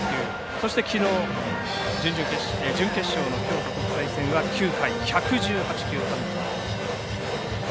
そしてきのうの準決勝の京都国際戦は９回１１８球完投。